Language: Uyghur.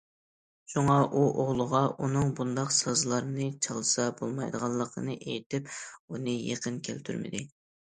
شۇڭا ئۇ ئوغلىغا ئۇنىڭ بۇنداق سازلارنى چالسا بولمايدىغانلىقىنى ئېيتىپ، ئۇنى يېقىن كەلتۈرمىدى.